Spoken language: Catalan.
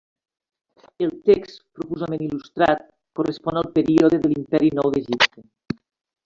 El text, profusament il·lustrat, correspon al període de l'Imperi nou d'Egipte.